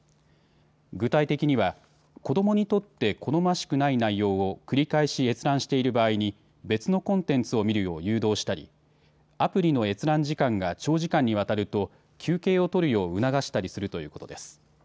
具体的には子どもにとって好ましくない内容を繰り返し閲覧している場合に別のコンテンツを見るよう誘導したりアプリの閲覧時間が長時間にわたると休憩を取るよう促したりするということです。